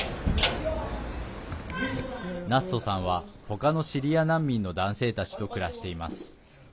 ナッソさんは、他のシリア難民の男性たちと暮らしています。